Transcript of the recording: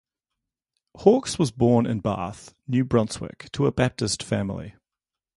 Hawkes was born in Bath, New Brunswick to a Baptist family.